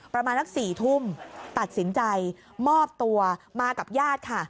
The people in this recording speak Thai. ประมาณสัก๔ทุ่มตัดสินใจมอบตัวมากับญาติค่ะ